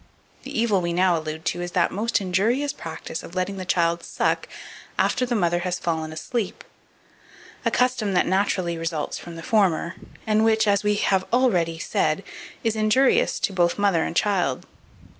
The evil we now allude to is that most injurious practice of letting the child suck after the mother has fallen asleep, a custom that naturally results from the former, and which, as we hare already said, is injurious to both mother and child.